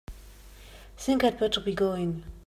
Think I'd better be going.